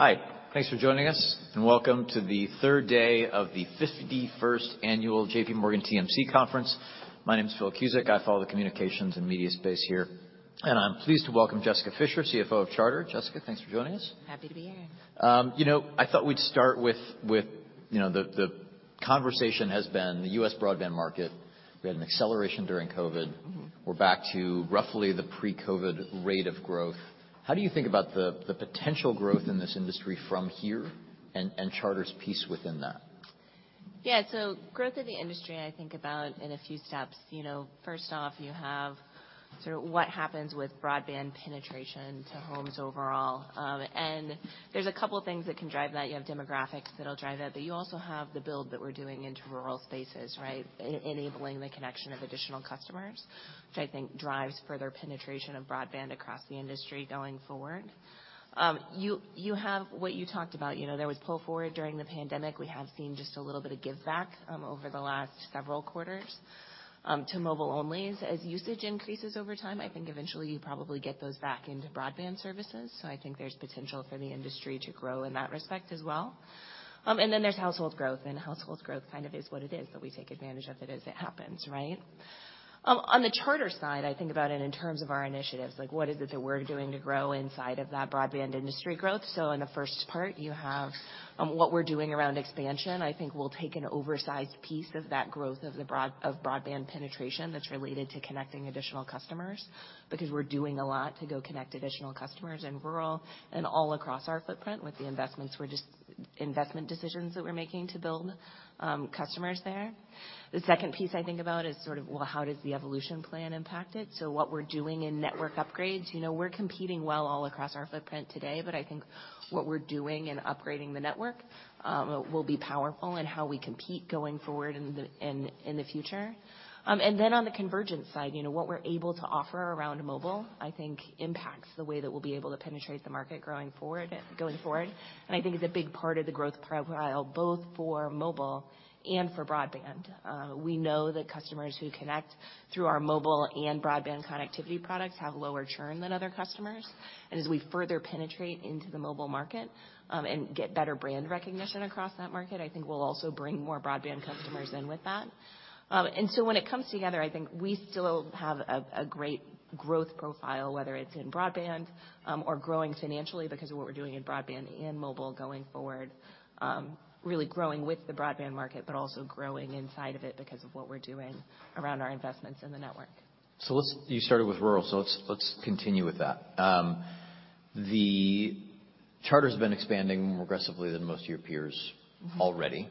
Hi, thanks for joining us, and welcome to the 51st annual J.P. Morgan TMT Conference. My name is Philip Cusick. I follow the communications and media space here, and I'm pleased to welcome Jessica Fischer, CFO of Charter. Jessica, thanks for joining us. Happy to be here. You know, I thought we'd start with, you know, the conversation has been the U.S. broadband market. We had an acceleration during COVID. Mm-hmm. We're back to roughly the pre-COVID rate of growth. How do you think about the potential growth in this industry from here and Charter's piece within that? Growth of the industry, I think about in a few steps. You know, first off, you have sort of what happens with broadband penetration to homes overall. There's a couple things that can drive that. You have demographics that'll drive that, but you also have the build that we're doing into rural spaces, right? Enabling the connection of additional customers, which I think drives further penetration of broadband across the industry going forward. You have what you talked about, you know, there was pull forward during the pandemic. We have seen just a little bit of give back over the last several quarters to mobile onlys. As usage increases over time, I think eventually you probably get those back into broadband services, so I think there's potential for the industry to grow in that respect as well. Then there's household growth, and household growth kind of is what it is, but we take advantage of it as it happens, right? On the Charter side, I think about it in terms of our initiatives, like what is it that we're doing to grow inside of that broadband industry growth. In the first part, you have what we're doing around expansion. I think we'll take an oversized piece of that growth of broadband penetration that's related to connecting additional customers, because we're doing a lot to go connect additional customers in rural and all across our footprint with the investment decisions that we're making to build customers there. The second piece I think about is sort of, well, how does the evolution plan impact it? What we're doing in network upgrades. You know, we're competing well all across our footprint today, but I think what we're doing in upgrading the network will be powerful in how we compete going forward in the future. On the convergence side, you know, what we're able to offer around mobile, I think impacts the way that we'll be able to penetrate the market going forward. I think it's a big part of the growth profile, both for mobile and for broadband. We know that customers who connect through our mobile and broadband connectivity products have lower churn than other customers. As we further penetrate into the mobile market and get better brand recognition across that market, I think we'll also bring more broadband customers in with that. When it comes together, I think we still have a great growth profile, whether it's in broadband, or growing financially because of what we're doing in broadband and mobile going forward. Really growing with the broadband market, but also growing inside of it because of what we're doing around our investments in the network. You started with rural, so let's continue with that. Charter's been expanding more aggressively than most of your peers already.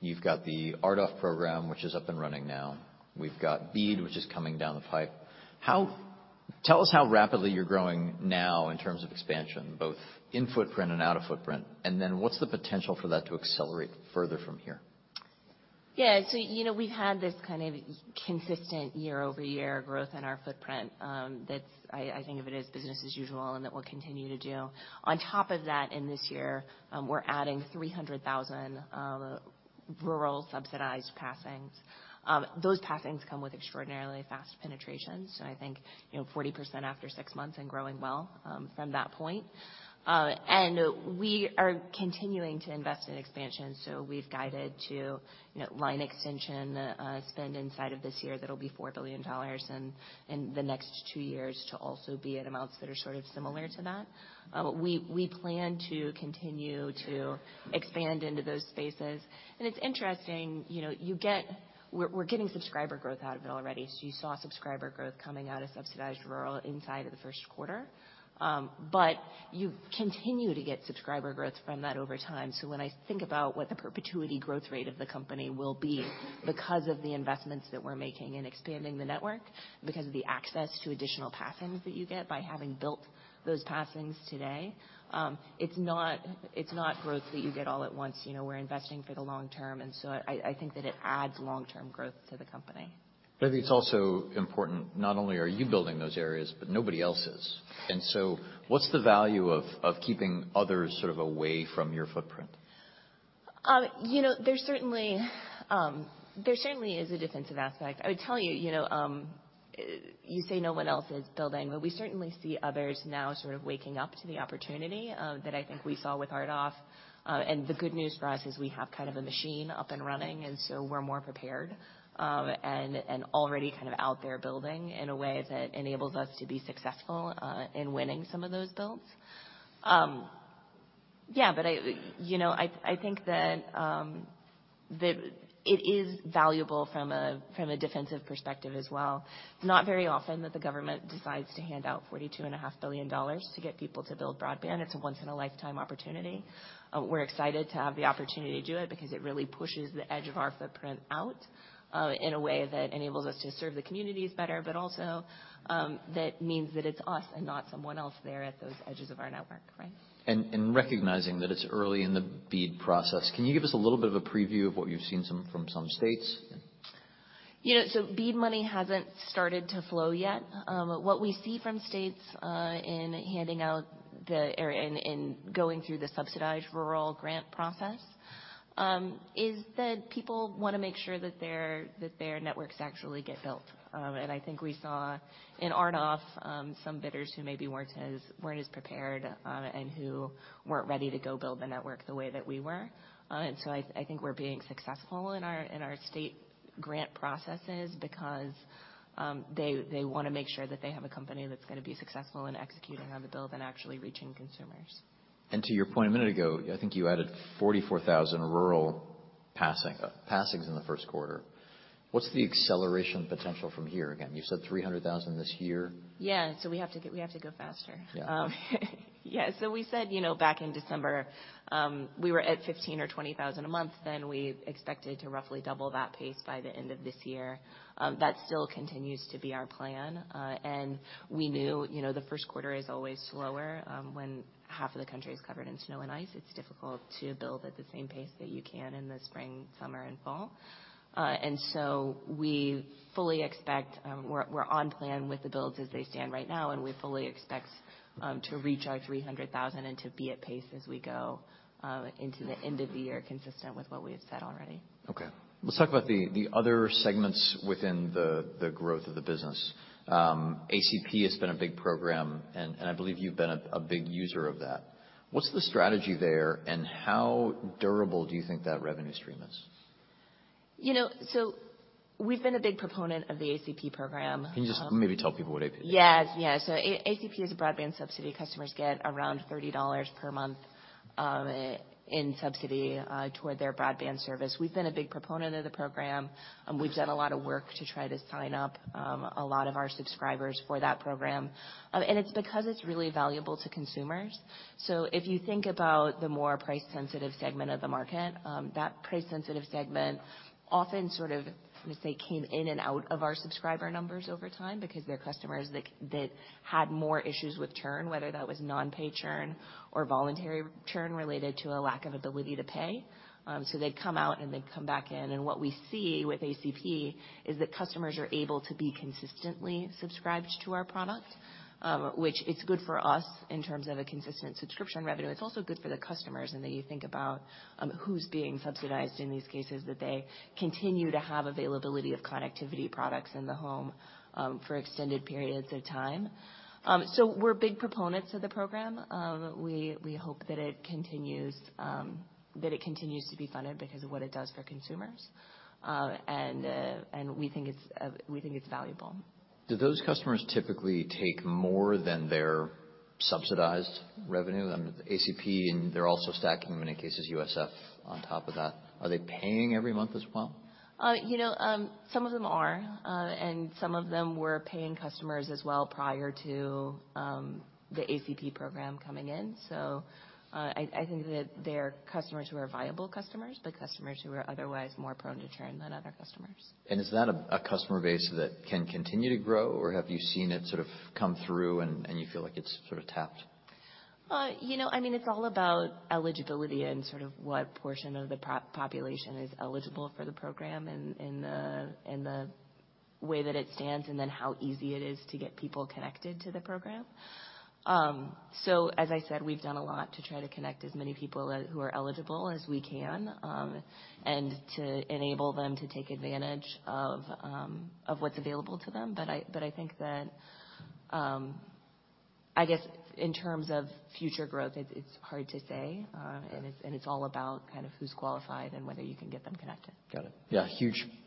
Mm-hmm. You've got the RDOF program, which is up and running now. We've got BEAD, which is coming down the pipe. Tell us how rapidly you're growing now in terms of expansion, both in footprint and out of footprint, and then what's the potential for that to accelerate further from here? Yeah. You know, we've had this kind of consistent year-over-year growth in our footprint, that's I think of it as business as usual and that we'll continue to do. On top of that, in this year, we're adding 300,000 rural subsidized passings. Those passings come with extraordinarily fast penetration. I think, you know, 40% after six months and growing well from that point. We are continuing to invest in expansion, so we've guided to, you know, line extension spend inside of this year that'll be $4 billion, and in the next two years to also be at amounts that are sort of similar to that. We plan to continue to expand into those spaces. It's interesting, you know, we're getting subscriber growth out of it already. You saw subscriber growth coming out of subsidized rural inside of the first quarter. You continue to get subscriber growth from that over time. When I think about what the perpetuity growth rate of the company will be because of the investments that we're making in expanding the network, because of the access to additional passings that you get by having built those passings today, it's not, it's not growth that you get all at once. You know, we're investing for the long term, I think that it adds long-term growth to the company. Maybe it's also important, not only are you building those areas, but nobody else is. So what's the value of keeping others sort of away from your footprint? You know, there certainly is a defensive aspect. I would tell you know, you say no one else is building, but we certainly see others now sort of waking up to the opportunity that I think we saw with RDOF. The good news for us is we have kind of a machine up and running, and so we're more prepared, and already kind of out there building in a way that enables us to be successful in winning some of those builds. Yeah, I, you know, I think that it is valuable from a, from a defensive perspective as well. Not very often that the government decides to hand out $42.5 billion to get people to build broadband. It's a once in a lifetime opportunity. We're excited to have the opportunity to do it because it really pushes the edge of our footprint out, in a way that enables us to serve the communities better, but also, that means that it's us and not someone else there at those edges of our network, right? Recognizing that it's early in the BEAD process, can you give us a little bit of a preview of what you've seen from some states? You know, BEAD money hasn't started to flow yet. What we see from states in going through the subsidized rural grant process is that people want to make sure that their networks actually get built. I think we saw in RDOF some bidders who maybe weren't as prepared and who weren't ready to go build the network the way that we were. I think we're being successful in our state grant processes because they wanna make sure that they have a company that's gonna be successful in executing on the build and actually reaching consumers. To your point a minute ago, I think you added 44,000 rural passings in the first quarter. What's the acceleration potential from here again? You said 300,000 this year. Yeah. We have to go faster. Yeah. We said, you know, back in December, we were at 15,000 or 20,000 a month then. We expected to roughly double that pace by the end of this year. That still continues to be our plan. We knew, you know, the Q1 is always slower, when half of the country is covered in snow and ice, it's difficult to build at the same pace that you can in the spring, summer, and fall. We're on plan with the builds as they stand right now, and we fully expect to reach our 300,000 and to be at pace as we go into the end of the year, consistent with what we have said already. Okay. Let's talk about the other segments within the growth of the business. ACP has been a big program, and I believe you've been a big user of that. What's the strategy there, and how durable do you think that revenue stream is? You know, we've been a big proponent of the ACP program. Can you just maybe tell people what ACP is? Yes. Yeah. ACP is a broadband subsidy. Customers get around $30 per month in subsidy toward their broadband service. We've been a big proponent of the program. We've done a lot of work to try to sign up a lot of our subscribers for that program. It's because it's really valuable to consumers. If you think about the more price sensitive segment of the market, that price sensitive segment often sort of, I'm gonna say, came in and out of our subscriber numbers over time because they're customers that had more issues with churn, whether that was non-pay churn or voluntary churn related to a lack of ability to pay. They'd come out, and they'd come back in. What we see with ACP is that customers are able to be consistently subscribed to our product, which it's good for us in terms of a consistent subscription revenue. It's also good for the customers in that you think about, who's being subsidized in these cases, that they continue to have availability of connectivity products in the home, for extended periods of time. We're big proponents of the program. We hope that it continues, that it continues to be funded because of what it does for consumers. We think it's valuable. Do those customers typically take more than their subsidized revenue? I mean, ACP and they're also stacking, in many cases, USF on top of that. Are they paying every month as well? You know, some of them are, and some of them were paying customers as well prior to the ACP program coming in. I think that they are customers who are viable customers, but customers who are otherwise more prone to churn than other customers. Is that a customer base that can continue to grow, or have you seen it sort of come through and you feel like it's sort of tapped? You know, I mean, it's all about eligibility and sort of what portion of the population is eligible for the program in the way that it stands, and then how easy it is to get people connected to the program. As I said, we've done a lot to try to connect as many people who are eligible as we can, and to enable them to take advantage of what's available to them. I think that. I guess in terms of future growth, it's hard to say. It's all about kind of who's qualified and whether you can get them connected. Got it. Yeah.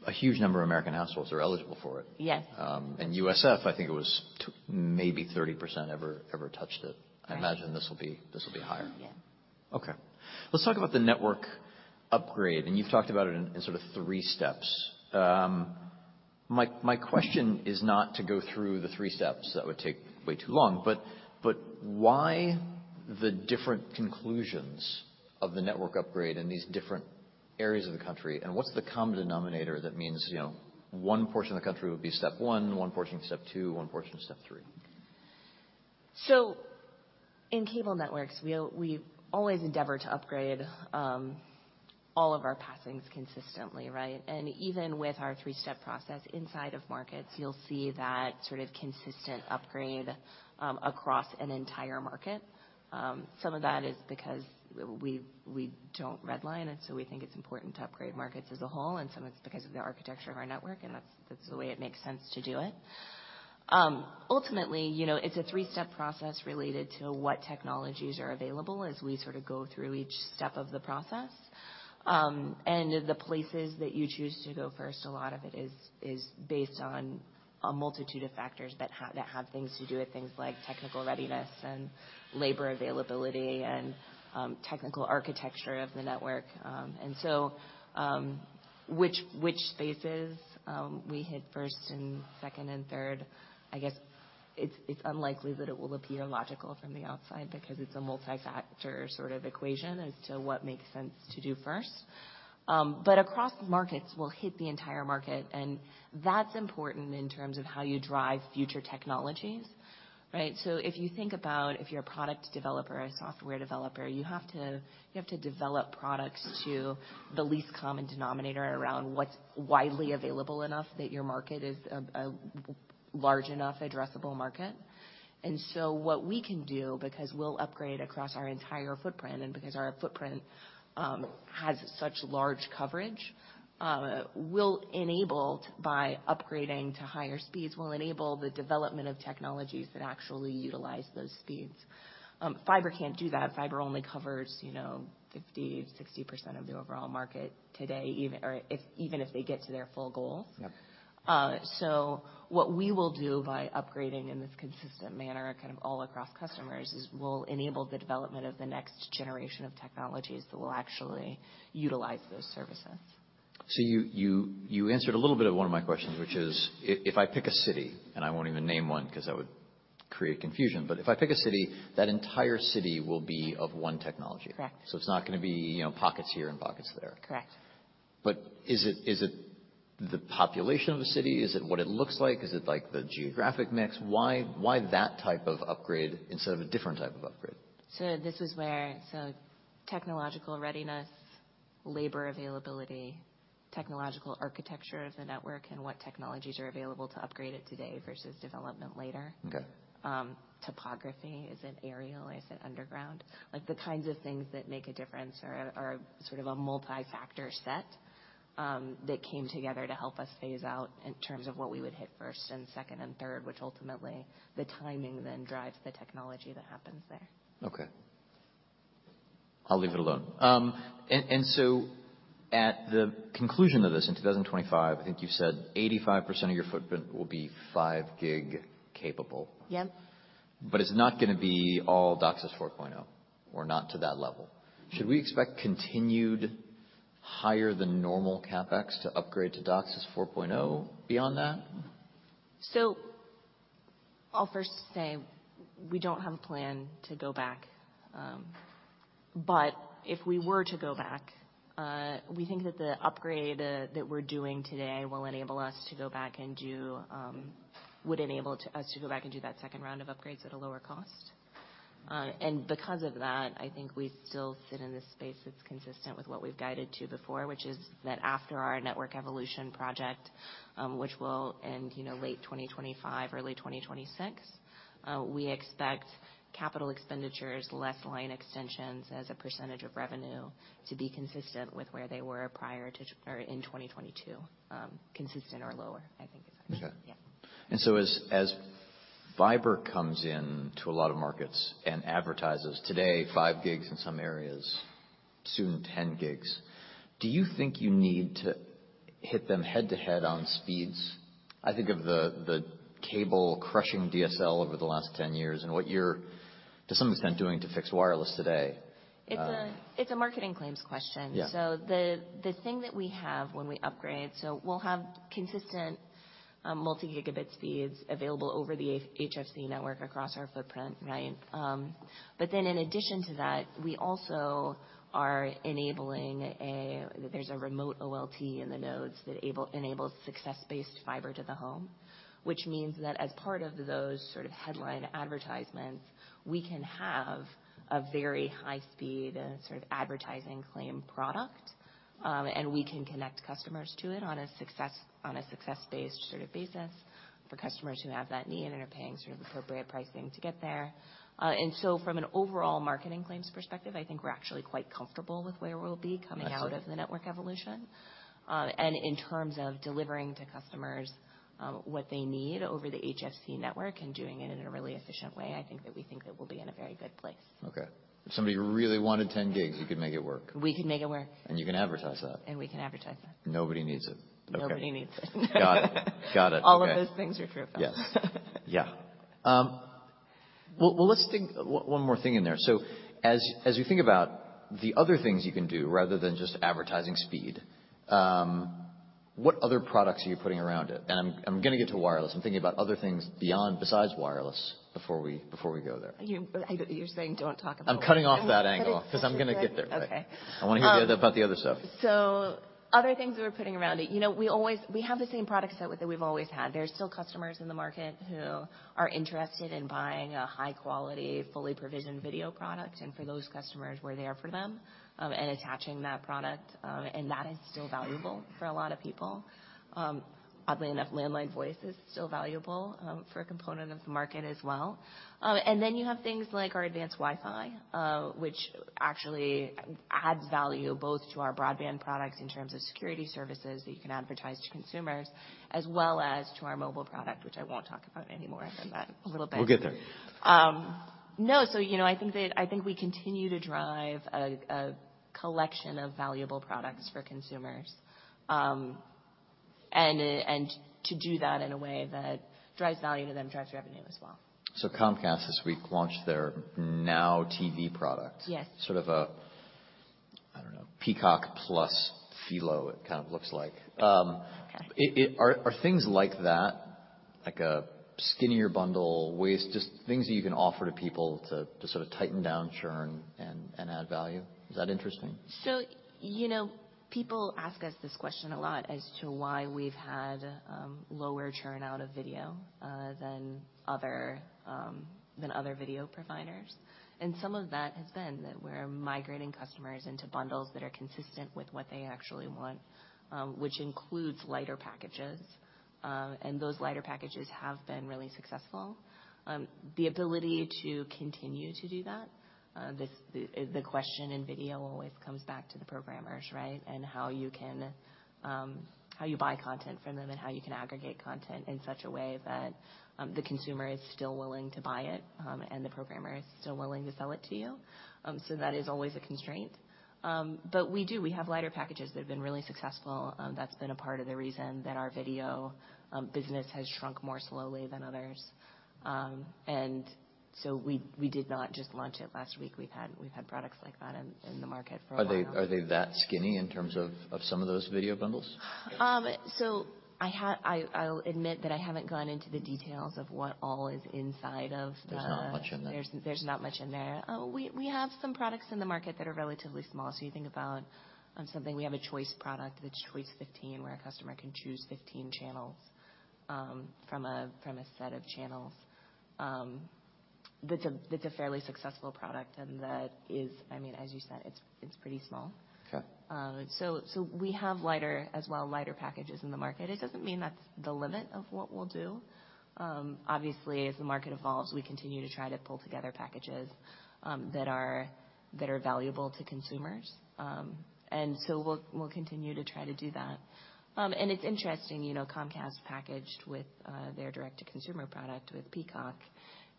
A huge number of American households are eligible for it. Yes. USF, I think it was maybe 30% ever touched it. Right. I imagine this will be higher. Yeah. Okay. Let's talk about the network upgrade, and you've talked about it in sort of three steps. My question is not to go through the three steps. Why the different conclusions of the network upgrade in these different areas of the country, and what's the common denominator that means, you know, One portion of the country would be step One portion step two, One portion step three? In cable networks, we always endeavor to upgrade all of our passings consistently, right? Even with our three step process inside of markets, you'll see that sort of consistent upgrade across an entire market. Some of that is because we don't redline, we think it's important to upgrade markets as a whole, and some it's because of the architecture of our network, that's the way it makes sense to do it. Ultimately, you know, it's a three step process related to what technologies are available as we sort of go through each step of the process. The places that you choose to go first, a lot of it is based on a multitude of factors that have things to do with things like technical readiness and labor availability and technical architecture of the network. Which spaces we hit first and second and third, I guess it's unlikely that it will appear logical from the outside because it's a multi-factor sort of equation as to what makes sense to do first. Across markets, we'll hit the entire market, and that's important in terms of how you drive future technologies, right? If you think about if you're a product developer, a software developer, you have to develop products to the least common denominator around what's widely available enough that your market is a large enough addressable market. What we can do, because we'll upgrade across our entire footprint and because our footprint has such large coverage, we'll enable by upgrading to higher speeds, we'll enable the development of technologies that actually utilize those speeds. Fiber can't do that. Fiber only covers, you know, 50%, 60% of the overall market today, even if they get to their full goal. Yep. What we will do by upgrading in this consistent manner kind of all across customers is we'll enable the development of the next generation of technologies that will actually utilize those services. You answered a little bit of one of my questions, which is if I pick a city, and I won't even name one because that would create confusion, but if I pick a city, that entire city will be of one technology. Correct. It's not gonna be, you know, pockets here and pockets there. Correct. Is it the population of the city? Is it what it looks like? Is it like the geographic mix? Why that type of upgrade instead of a different type of upgrade? This is where technological readiness, labor availability, technological architecture of the network, and what technologies are available to upgrade it today versus development later. Okay. topography. Is it aerial? Is it underground? The kinds of things that make a difference are sort of a multi-factor set that came together to help us phase out in terms of what we would hit first and second and third, which ultimately the timing then drives the technology that happens there. Okay. I'll leave it alone. At the conclusion of this in 2025, I think you said 85% of your footprint will be five gig capable. Yep. It's not gonna be all DOCSIS 4.0, or not to that level. Should we expect continued higher than normal CapEx to upgrade to DOCSIS 4.0 beyond that? I'll first say we don't have a plan to go back. If we were to go back, we think that the upgrade that we're doing today will enable us to go back and do, would enable us to go back and do that second round of upgrades at a lower cost. Because of that, I think we still sit in this space that's consistent with what we've guided to before, which is that after our Network evolution project, which will end, you know, late 2025, early 2026, we expect capital expenditures, less line extensions as a percentage of revenue to be consistent with where they were prior to or in 2022, consistent or lower, I think is how we said it. Okay. Yeah. As Fiber comes in to a lot of markets and advertises today five gigs in some areas, soon 10 gigs, do you think you need to hit them head to head on speeds? I think of the cable crushing DSL over the last 10 years and what you're, to some extent, doing to Fixed wireless today. It's a marketing claims question. Yeah. The thing that we have when we upgrade, we'll have consistent multi-gigabit speeds available over the HFC network across our footprint, right? In addition to that, we also are enabling a remote OLT in the nodes that enables success-based Fiber to the Home, which means that as part of those sort of headline advertisements, we can have a very high speed and sort of advertising claim product, and we can connect customers to it on a success based sort of basis for customers who have that need and are paying sort of appropriate pricing to get there. From an overall marketing claims perspective, I think we're actually quite comfortable with where we'll be coming. I see. -out of the network evolution. In terms of delivering to customers, what they need over the HFC network and doing it in a really efficient way, I think that we think that we'll be in a very good place. Okay. If somebody really wanted 10 gigs, you could make it work. We can make it work. You can advertise that. We can advertise that. Nobody needs it. Okay. Nobody needs it. Got it. Okay. All of those things are true, though. Yes. Yeah. Well let's think one more thing in there. As you think about the other things you can do rather than just advertising speed, what other products are you putting around it? I'm gonna get to wireless. I'm thinking about other things beyond besides wireless before we go there. I know. You're saying don't talk about wireless. I'm cutting off that. I'm gonna get there. 'Cause I'm gonna get there. Okay. I wanna hear about the other stuff. Other things that we're putting around it. You know, we have the same product set that we've always had. There are still customers in the market who are interested in buying a high quality, fully provisioned video product. For those customers, we're there for them, and attaching that product, and that is still valuable for a lot of people. Oddly enough, landline voice is still valuable, for a component of the market as well. Then you have things like our Advanced WiFi, which actually adds value both to our broadband products in terms of security services that you can advertise to consumers, as well as to our mobile product, which I won't talk about anymore other than that a little bit. We'll get there. No. You know, I think we continue to drive a collection of valuable products for consumers. And to do that in a way that drives value to them, drives revenue as well. Comcast this week launched their NOW TV product. Yes. Sort of a, I don't know, Peacock plus Philo it kind of looks like. Okay. Are things like that, like a skinnier bundle ways just things that you can offer to people to sort of tighten down churn and add value. Is that interesting? you know, people ask us this question a lot as to why we've had lower churn out of video than other than other video providers. Some of that has been that we're migrating customers into bundles that are consistent with what they actually want, which includes lighter packages. Those lighter packages have been really successful. The ability to continue to do that, the question in video always comes back to the programmers, right? How you can how you buy content from them and how you can aggregate content in such a way that the consumer is still willing to buy it and the programmer is still willing to sell it to you. That is always a constraint. We have lighter packages that have been really successful. That's been a part of the reason that our video business has shrunk more slowly than others. We did not just launch it last week. We've had products like that in the market for a while. Are they that skinny in terms of some of those video bundles? I'll admit that I haven't gone into the details of what all is inside of the. There's not much in there. There's not much in there. We have some products in the market that are relatively small. You think about. We have a choice product, the Choice 15, where a customer can choose 15 channels from a set of channels. That's a fairly successful product. That is, I mean, as you said, it's pretty small. Okay. We have lighter as well, lighter packages in the market. It doesn't mean that's the limit of what we'll do. Obviously, as the market evolves, we continue to try to pull together packages, that are valuable to consumers. We'll continue to try to do that. It's interesting, you know, Comcast packaged with their direct-to-consumer product with Peacock.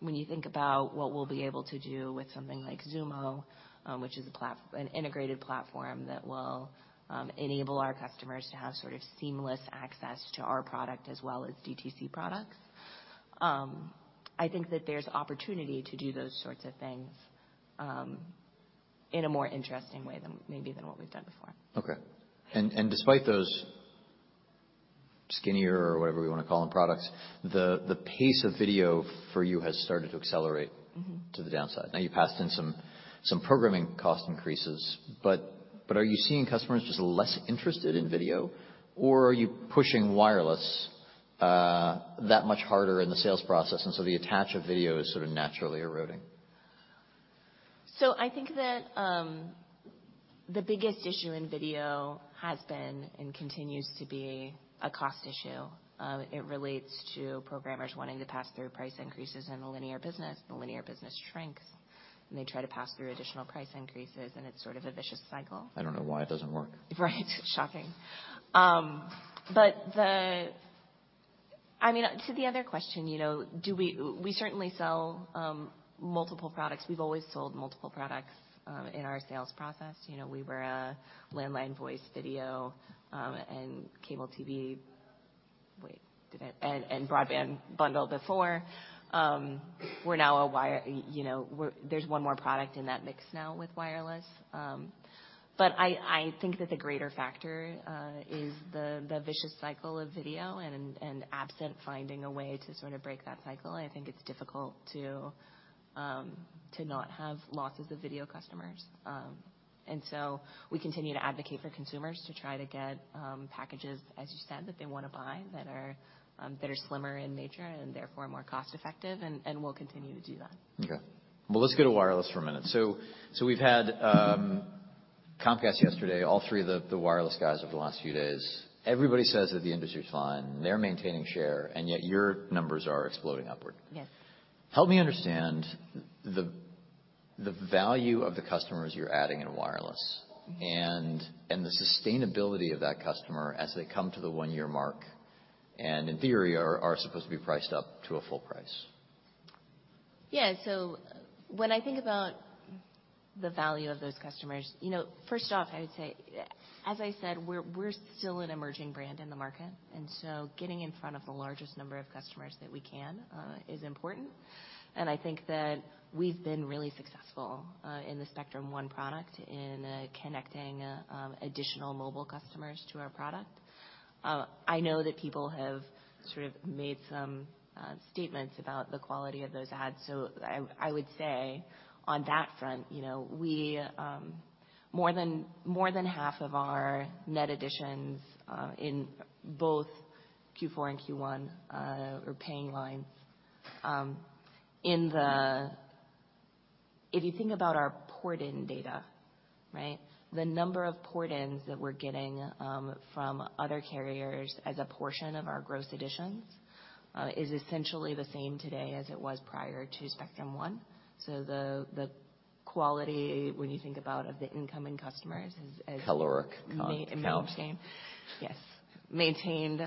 When you think about what we'll be able to do with something like Xumo, which is an integrated platform that will enable our customers to have sort of seamless access to our product as well as DTC products. I think that there's opportunity to do those sorts of things, in a more interesting way than maybe what we've done before. Okay. Despite those skinnier or whatever we wanna call them products, the pace of video for you has started to accelerate. Mm-hmm. -to the downside. You passed in some programming cost increases, but are you seeing customers just less interested in video, or are you pushing wireless that much harder in the sales process, and so the attach of video is sort of naturally eroding? I think that, the biggest issue in video has been and continues to be a cost issue. It relates to programmers wanting to pass through price increases in the linear business. The linear business shrinks, they try to pass through additional price increases, it's sort of a vicious cycle. I don't know why it doesn't work. Right. Shocking. I mean, to the other question, you know, We certainly sell multiple products. We've always sold multiple products in our sales process. You know, we were a landline voice, video and cable TV broadband bundle before. You know, there's one more product in that mix now with wireless. I think that the greater factor is the vicious cycle of video and absent finding a way to sort of break that cycle, I think it's difficult to not have losses of video customers. We continue to advocate for consumers to try to get packages, as you said, that they wanna buy, that are slimmer in nature and therefore more cost-effective, and we'll continue to do that. Okay. Well, let's go to wireless for a minute. We've had Comcast yesterday, all three of the wireless guys over the last few days. Everybody says that the industry's fine, they're maintaining share, and yet your numbers are exploding upward. Yes. Help me understand the value of the customers you're adding in wireless and the sustainability of that customer as they come to the one-year mark, and in theory, are supposed to be priced up to a full price. Yeah. When I think about the value of those customers, you know, first off, I would say, as I said, we're still an emerging brand in the market, and so getting in front of the largest number of customers that we can is important. I think that we've been really successful in the Spectrum One product in connecting additional mobile customers to our product. I know that people have sort of made some statements about the quality of those ads, so I would say on that front, you know, we more than half of our net additions in both Q4 and Q1 are paying lines. If you think about our port-in data, right? The number of port-ins that we're getting, from other carriers as a portion of our gross additions, is essentially the same today as it was prior to Spectrum One. The, the quality when you think about of the incoming customers is. Caloric content. Maintained the same. Yes. Maintained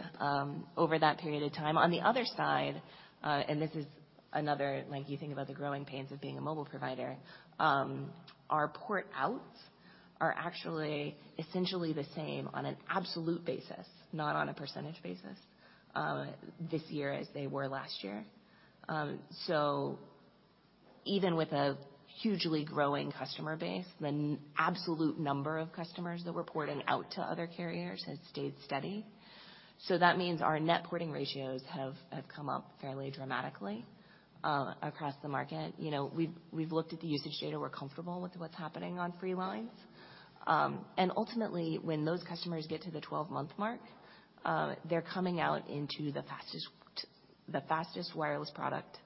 over that period of time. On the other side, this is another... Like, you think about the growing pains of being a mobile provider. Our port-outs are actually essentially the same on an absolute basis, not on a percentage basis, this year as they were last year. Even with a hugely growing customer base, the absolute number of customers that we're porting out to other carriers has stayed steady. That means our net porting ratios have come up fairly dramatically across the market. You know, we've looked at the usage data. We're comfortable with what's happening on free lines. Ultimately, when those customers get to the 12-month mark, they're coming out into the fastest wireless product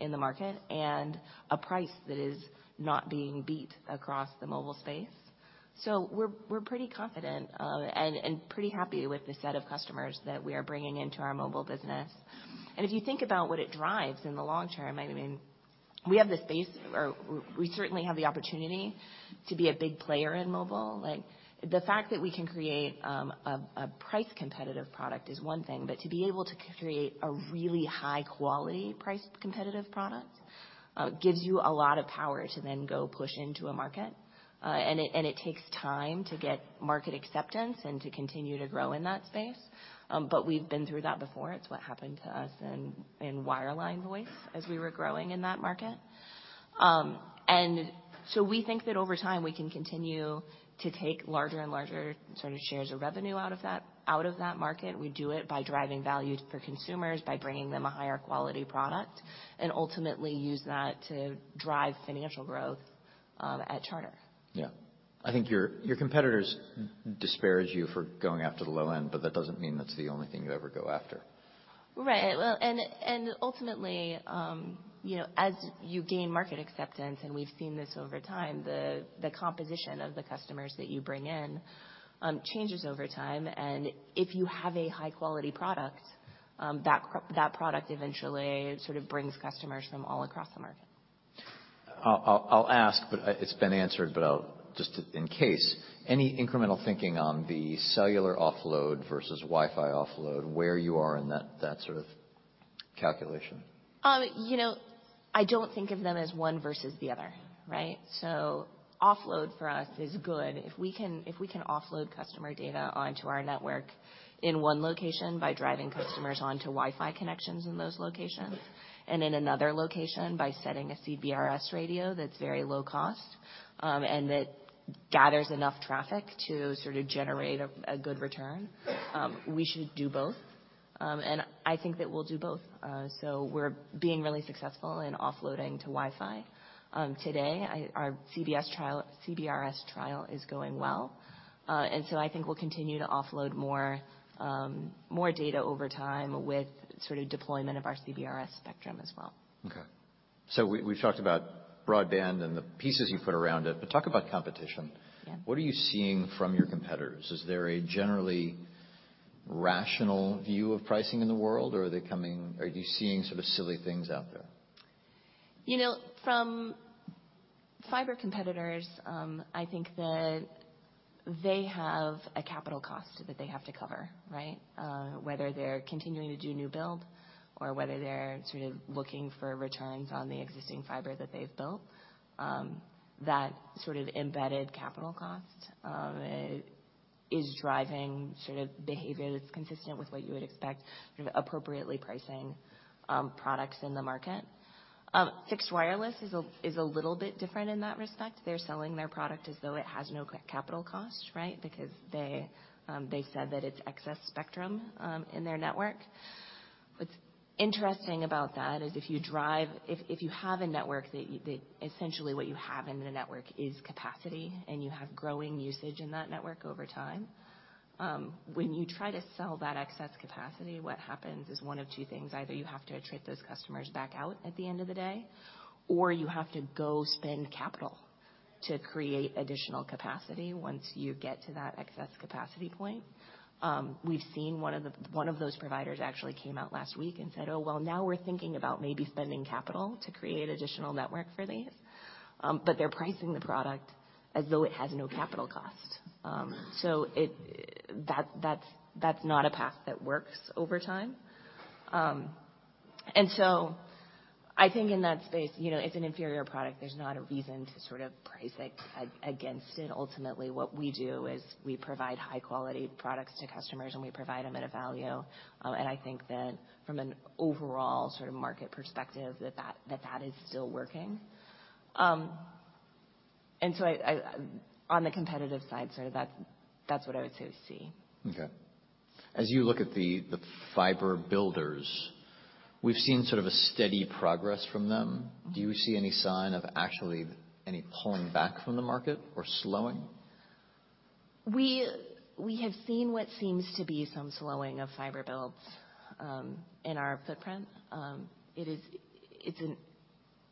in the market and a price that is not being beat across the mobile space. We're pretty confident and pretty happy with the set of customers that we are bringing into our mobile business. If you think about what it drives in the long term, I mean, we have the space or we certainly have the opportunity to be a big player in mobile. Like, the fact that we can create a price competitive product is one thing, but to be able to create a really high quality price competitive product gives you a lot of power to then go push into a market. It takes time to get market acceptance and to continue to grow in that space. We've been through that before. It's what happened to us in wireline voice as we were growing in that market. We think that over time, we can continue to take larger and larger sort of shares of revenue out of that, out of that market. We do it by driving value for consumers by bringing them a higher quality product, and ultimately use that to drive financial growth at Charter. Yeah. I think your competitors disparage you for going after the low end, but that doesn't mean that's the only thing you ever go after. Right. Well, ultimately, you know, as you gain market acceptance, we've seen this over time, the composition of the customers that you bring in, changes over time, if you have a high quality product, that product eventually sort of brings customers from all across the market. I'll ask. It's been answered, in case. Any incremental thinking on the cellular offload versus Wi-Fi offload, where you are in that sort of calculation? You know, I don't think of them as one versus the other, right? Offload for us is good. If we can offload customer data onto our network in one location by driving customers onto Wi-Fi connections in those locations and in another location by setting a CBRS radio that's very low cost, and that gathers enough traffic to sort of generate a good return, we should do both. I think that we'll do both. We're being really successful in offloading to Wi-Fi. Today, our CBRS trial is going well. I think we'll continue to offload more data over time with sort of deployment of our CBRS spectrum as well. Okay. We've talked about broadband and the pieces you put around it, but talk about competition. Yeah. What are you seeing from your competitors? Is there a generally rational view of pricing in the world, or are you seeing sort of silly things out there? You know, from fiber competitors, I think that they have a capital cost that they have to cover, right? Whether they're continuing to do new build or whether they're sort of looking for returns on the existing fiber that they've built, that sort of embedded capital cost is driving sort of behavior that's consistent with what you would expect sort of appropriately pricing products in the market. Fixed wireless is a little bit different in that respect. They're selling their product as though it has no capital cost, right? They said that it's excess spectrum in their network. What's interesting about that is if you have a network. Essentially what you have in the network is capacity, and you have growing usage in that network over time. When you try to sell that excess capacity, what happens is one of two things. Either you have to attrit those customers back out at the end of the day, or you have to go spend capital to create additional capacity once you get to that excess capacity point. We've seen one of those providers actually came out last week and said, "Oh, well, now we're thinking about maybe spending capital to create additional network for these." They're pricing the product as though it has no capital cost. That's not a path that works over time. I think in that space, you know, it's an inferior product. There's not a reason to sort of price it against it. Ultimately, what we do is we provide high quality products to customers, and we provide them at a value. I think that from an overall sort of market perspective, that that is still working. On the competitive side, sort of that's what I would say we see. Okay. As you look at the fiber builders, we've seen sort of a steady progress from them. Mm-hmm. Do you see any sign of actually any pulling back from the market or slowing? We have seen what seems to be some slowing of fiber builds in our footprint.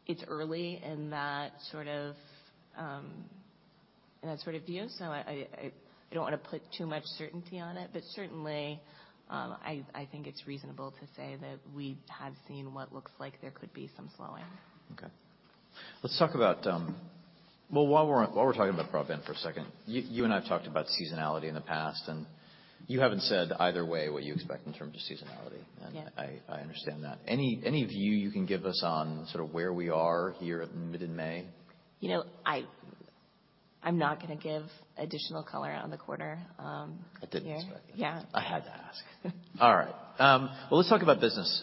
It's early in that sort of in that sort of view, so I don't wanna put too much certainty on it. Certainly, I think it's reasonable to say that we have seen what looks like there could be some slowing. Okay. Let's talk about. Well, while we're talking about broadband for a second, you and I have talked about seasonality in the past, and you haven't said either way what you expect in terms of seasonality. Yeah. I understand that. Any view you can give us on sort of where we are here at mid in May? You know, I'm not gonna give additional color on the quarter here. I didn't expect it. Yeah. I had to ask. All right. Well, let's talk about business.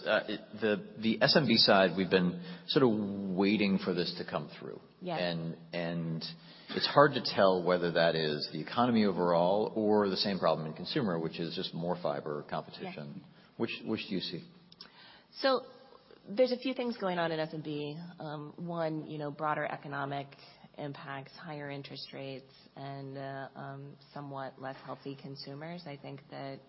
The SMB side, we've been sort of waiting for this to come through. Yes. It's hard to tell whether that is the economy overall or the same problem in consumer, which is just more fiber competition. Yes. Which do you see? There's a few things going on in SMB. One, you know, broader economic impacts higher interest rates and somewhat less healthy consumers. I think that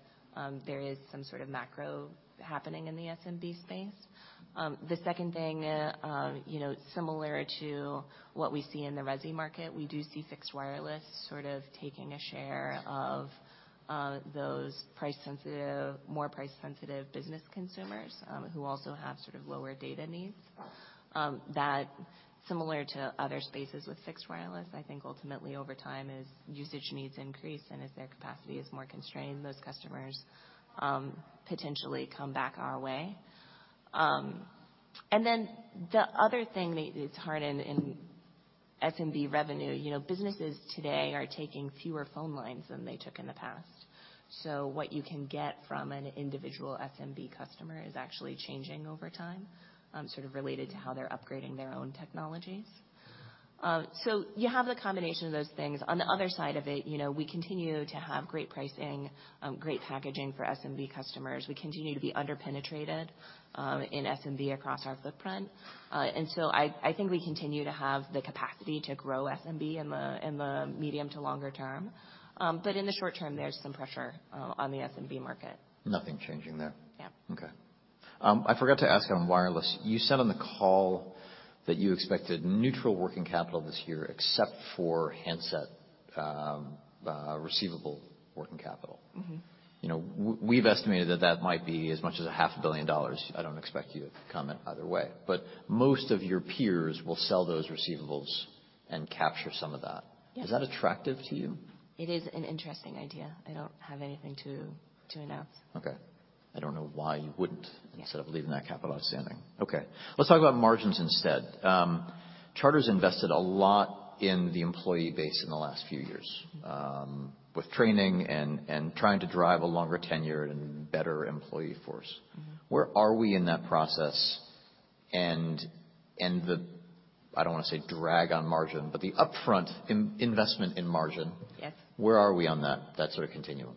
there is some sort of macro happening in the SMB space. The second thing, you know, similar to what we see in the resi market, we do see fixed wireless sort of taking a share of those more price sensitive business consumers who also have sort of lower data needs, that similar to other spaces with fixed wireless. I think ultimately over time as usage needs increase and as their capacity is more constrained, those customers potentially come back our way. And then the other thing that is hard in SMB revenue, you know, businesses today are taking fewer phone lines than they took in the past. What you can get from an individual SMB customer is actually changing over time, sort of related to how they're upgrading their own technologies. You have the combination of those things. On the other side of it, you know, we continue to have great pricing, great packaging for SMB customers. We continue to be under penetrated in SMB across our footprint. I think we continue to have the capacity to grow SMB in the medium to longer term. In the short term, there's some pressure on the SMB market. Nothing changing there? Yeah. Okay. I forgot to ask on wireless, you said on the call that you expected neutral working capital this year except for handset receivable working capital. Mm-hmm. You know, we've estimated that that might be as much as a half a billion dollars. I don't expect you to comment either way. Most of your peers will sell those receivables and capture some of that. Yes. Is that attractive to you? It is an interesting idea. I don't have anything to announce. Okay. I don't know why you. Yeah. instead of leaving that capital outstanding. Okay, let's talk about margins instead. Charter's invested a lot in the employee base in the last few years, with training and trying to drive a longer tenure and better employee force. Mm-hmm. Where are we in that process? I don't wanna say drag on margin, but the upfront in-investment in margin... Yes. Where are we on that sort of continuum?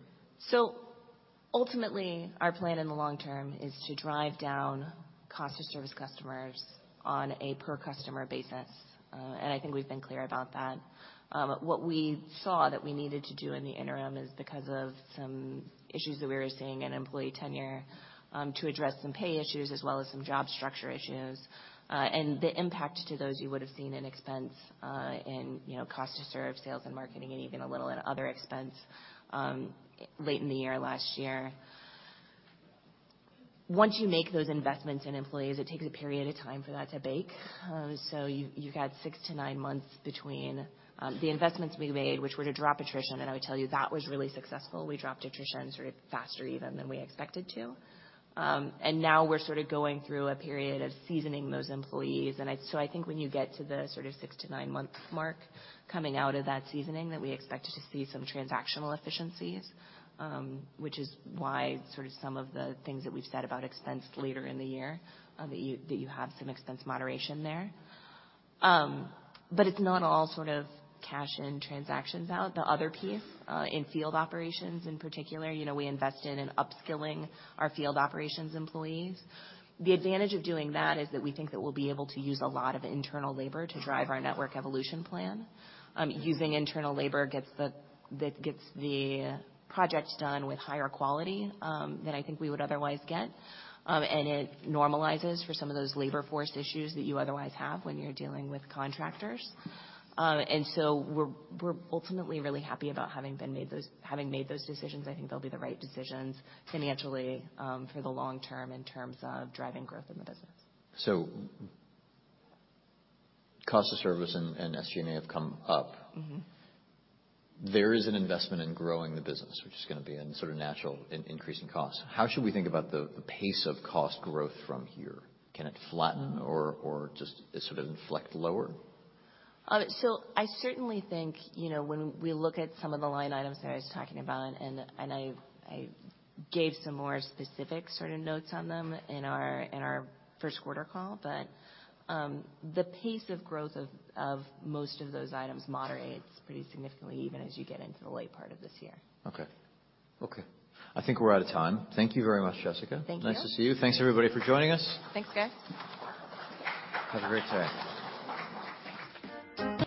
Ultimately, our plan in the long term is to drive down cost to service customers on a per customer basis. I think we've been clear about that. What we saw that we needed to do in the interim is because of some issues that we were seeing in employee tenure, to address some pay issues as well as some job structure issues. The impact to those you would've seen in expense, in, you know, cost to serve, sales and marketing and even a little at other expense, late in the year, last year. Once you make those investments in employees, it takes a period of time for that to bake. You've had six to nine months between the investments we made, which were to drop attrition. I would tell you that was really successful. We dropped attrition sort of faster even than we expected to. Now we're sort of going through a period of seasoning those employees. I think when you get to the sort of six to nine month mark coming out of that seasoning, that we expect to see some transactional efficiencies, which is why sort of some of the things that we've said about expense later in the year, that you, that you have some expense moderation there. It's not all sort of cash in, transactions out. The other piece, in field operations in particular, you know, we invested in upskilling our field operations employees. The advantage of doing that is that we think that we'll be able to use a lot of internal labor to drive our network evolution plan. Using internal labor gets the projects done with higher quality than I think we would otherwise get. It normalizes for some of those labor force issues that you otherwise have when you're dealing with contractors. So we're ultimately really happy about having made those decisions. I think they'll be the right decisions financially for the long term in terms of driving growth in the business. cost of service and SG&A have come up. Mm-hmm. There is an investment in growing the business, which is gonna be a sort of natural increase in cost. How should we think about the pace of cost growth from here? Can it flatten or just sort of inflect lower? I certainly think, you know, when we look at some of the line items that I was talking about, and I gave some more specific sort of notes on them in our, in our first quarter call, but, the pace of growth of most of those items moderates pretty significantly even as you get into the late part of this year. Okay. Okay. I think we're out of time. Thank you very much, Jessica. Thank you. Nice to see you. Thanks everybody for joining us. Thanks, guys. Have a great day.